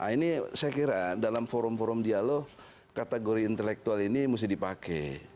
ini saya kira dalam forum forum dialog kategori intelektual ini mesti dipakai